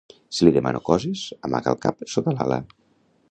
Si li demano coses, amaga el cap sota l'ala.